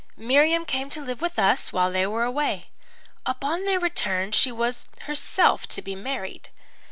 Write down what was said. Miriam came to live with us while they were away. Upon their return she was herself to be married.